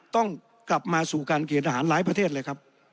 ต้องกลับมาสู่การเกณฑหารหลายประเทศเลยครับ